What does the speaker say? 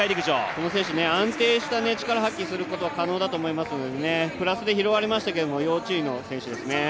この選手、安定した力を発揮することができるのでプラスで拾われましたけど、要注意の選手ですね。